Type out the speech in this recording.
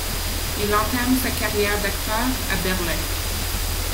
Il entame sa carrière d'acteur à Berlin.